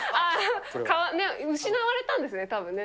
失われたんですね、たぶんね。